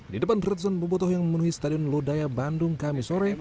di depan ratusan bobotoh yang memenuhi stadion lodaya bandung kami sore